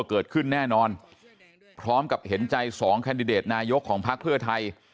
เกิดขึ้นแน่นอนพร้อมกับเห็นใจสองแคนดิเดตนายกของพักเพื่อไทย